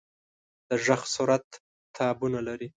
د غږ صورت تنابونه لري.